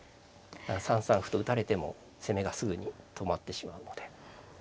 ３三歩と打たれても攻めがすぐに止まってしまうので。